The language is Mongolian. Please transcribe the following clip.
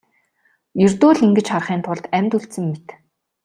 Ердөө л ингэж харахын тулд амьд үлдсэн мэт.